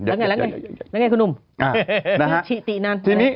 แล้วไงคุณหนุ่มทิตินัน